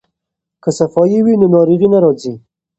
که صفايي وي نو ناروغي نه راځي.